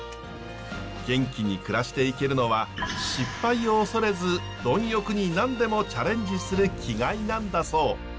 元気に暮らしていけるのは失敗を恐れず貪欲に何でもチャレンジする気概なんだそう。